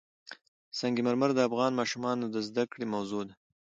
سنگ مرمر د افغان ماشومانو د زده کړې موضوع ده.